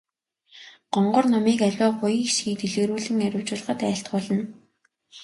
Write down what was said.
Гонгор номыг аливаа буян хишгийг дэлгэрүүлэн арвижуулахад айлтгуулна.